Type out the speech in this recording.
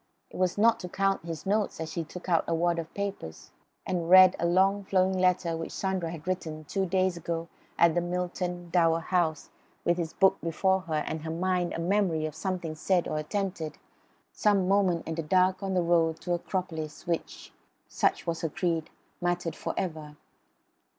It was not to count his notes that he took out a wad of papers and read a long flowing letter which Sandra had written two days ago at Milton Dower House with his book before her and in her mind the memory of something said or attempted, some moment in the dark on the road to the Acropolis which (such was her creed) mattered for ever.